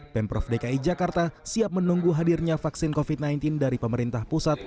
pemprov dki jakarta siap menunggu hadirnya vaksin covid sembilan belas dari pemerintah pusat